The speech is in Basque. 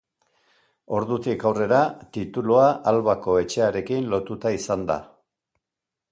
Ordutik aurrera, titulua Albako etxearekin lotuta izan da.